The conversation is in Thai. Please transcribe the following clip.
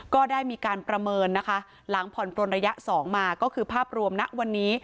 ก็ได้มีการประเมินนะคะหลังผ่อนปลนระยะ๒มาก็คือภาพรวมณวันนี้